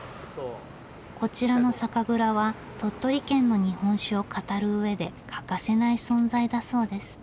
こちらの酒蔵は鳥取県の日本酒を語るうえで欠かせない存在だそうです。